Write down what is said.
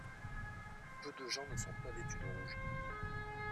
Peu de gens ne sont pas vêtu de rouge.